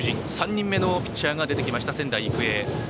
３人目のピッチャーが出てきました、仙台育英。